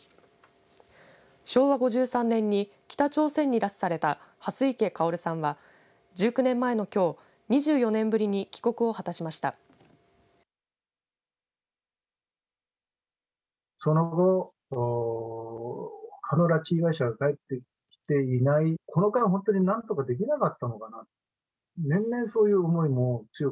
昭和５３年に北朝鮮に拉致された蓮池薫さんは１９年前のきょう２４年ぶりに帰国を果たしました。